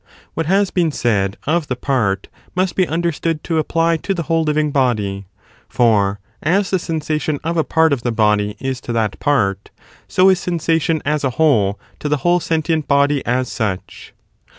What has been said of the part must be understood to apply to the whole living body; for, as the sensation of a part of the body is to that part, so is sensation as a whole to the whole sentient body as such.